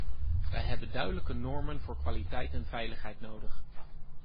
Wij hebben duidelijke normen voor kwaliteit en veiligheid nodig.